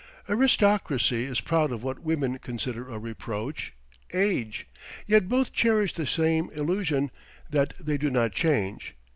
Aristocracy is proud of what women consider a reproach age! Yet both cherish the same illusion, that they do not change.